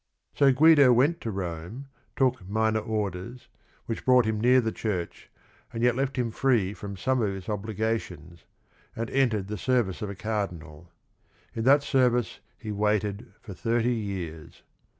So Guido went to Rome, took minor orders, which brought him near the church and yet left him free from some of its obligations, and entered the service of a cardinal. In that service he waited for thirty years.